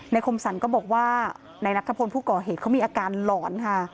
คมสรรก็บอกว่านายนัทธพลผู้ก่อเหตุเขามีอาการหลอนค่ะ